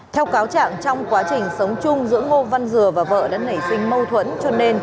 theo cáo trạng trong quá trình sống chung giữa ngô văn dừa và vợ đã nảy sinh mâu thuẫn cho nên